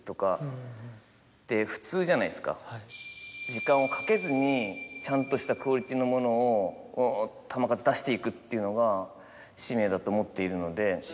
時間をかけずにちゃんとしたクオリティーのものを球数出していくっていうのが使命だと思っているので。